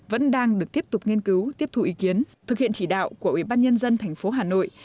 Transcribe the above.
vẫn đang được tiếp tục nghiên cứu tiếp thụ ý kiến thực hiện chỉ đạo của ubnd tp hà nội